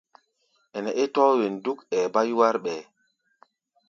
Ɛnɛ é tɔ̧́ɔ̧́ wen dúk, ɛɛ bá yúwár ɓɛɛ́.